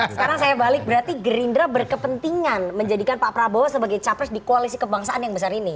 sekarang saya balik berarti gerindra berkepentingan menjadikan pak prabowo sebagai capres di koalisi kebangsaan yang besar ini